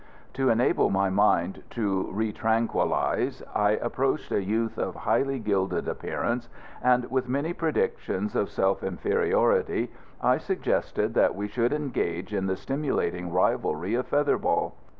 To enable my mind to retranquillise, I approached a youth of highly gilded appearance, and, with many predictions of self inferiority, I suggested that we should engage in the stimulating rivalry of feather ball.